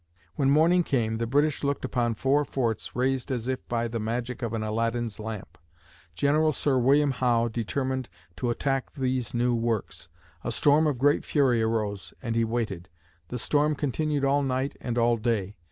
When morning came, the British looked upon four forts raised as if by the magic of an Aladdin's lamp! General Sir William Howe determined to attack these new works. A storm of great fury arose and he waited. The storm continued all night and all day.